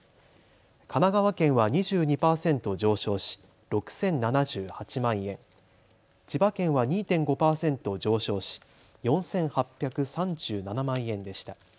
神奈川県は２２％上昇し６０７８万円、千葉県は２．５％上昇し４８３７万円でした。